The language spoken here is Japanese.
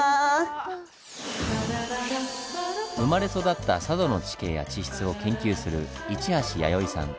生まれ育った佐渡の地形や地質を研究する市橋弥生さん。